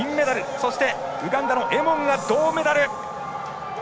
そしてウガンダのエモンが銅メダル。